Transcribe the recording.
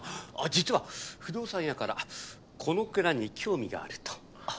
実は不動産屋からこの蔵に興味があると。